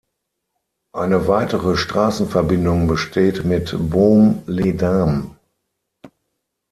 Eine weitere Straßenverbindung besteht mit Baume-les-Dames.